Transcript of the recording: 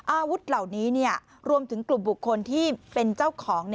อาวุธเหล่านี้รวมถึงกลุ่มบุคคลที่เป็นเจ้าของ